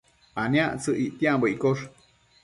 aniactsëc ictiambo iccosh